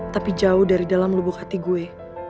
tapi jauh dari dalam lubuk hati gue